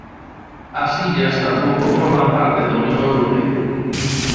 As illas tampouco forman parte da Unión Europea.